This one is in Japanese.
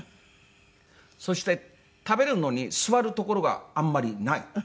そして食べるのに座る所があんまりない。